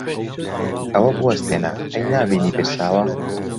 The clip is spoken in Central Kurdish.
ئەوە بوەستێنە! ئەی نابینی ترساوە؟